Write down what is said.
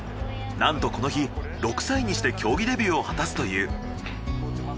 なんとこの日６歳にして競技デビューを果たすという。